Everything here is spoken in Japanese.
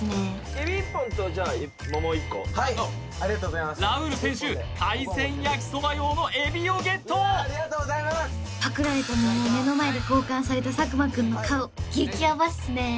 海老１本とじゃあ桃１個はいラウール選手海鮮焼きそば用の海老をゲットありがとうございますパクられた桃を目の前で交換された佐久間くんの顔激ヤバっすね